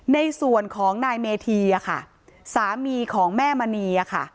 ในส่วนของนายเมธีสามีของแม่มณี